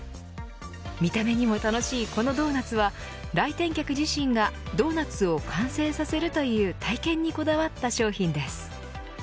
見た目にも楽しいこのドーナツは来店客自身がドーナツを完成させるという体験にこだわった商品です。